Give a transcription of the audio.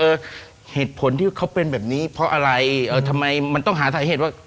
เหตุผลที่เขาเป็นแบบนี้เพราะอะไรเอ่อทำไมมันต้องหาสาเหตุว่า